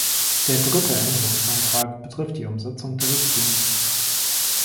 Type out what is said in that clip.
Der dritte Änderungsantrag betrifft die Umsetzung der Richtlinie.